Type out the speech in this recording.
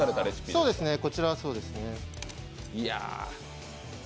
そうですね、こちらはそうですね。